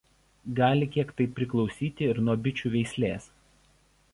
Gali kiek tai priklausyti ir nuo bičių veislės.